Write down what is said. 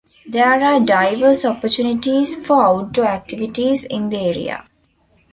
There are diverse opportunities for outdoor activities in the area.